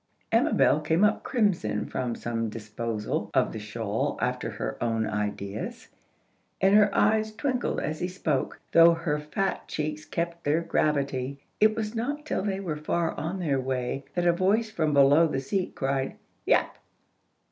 Amabel came up crimson from some disposal of the shawl after her own ideas, and her eyes twinkled as he spoke, though her fat cheeks kept their gravity. It was not till they were far on their way that a voice from below the seat cried, "Yap!"